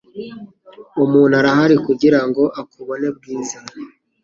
Umuntu arahari kugirango akubone, Bwiza .